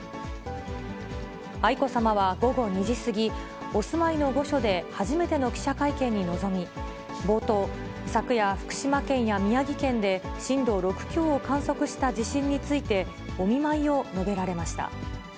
愛子さまは午後２時過ぎ、お住まいの御所で初めての記者会見に臨み、冒頭、昨夜、福島県や宮城県で震度６強を観測した地震について、お見舞いを述べられました。